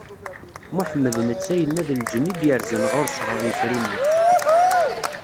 Muḥemmed netta yenna d lǧenn i d-yerzan ɣur-s ɣer yifri-nni.